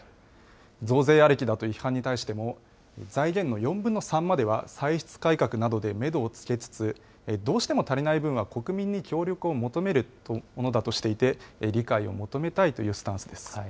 増税ありきだという批判に対しても、財源の４分の３までは歳出改革などでメドをつけつつ、どうしても足りない分は国民に協力を求めるものだとしていて、理解を求めたいというスタンスです。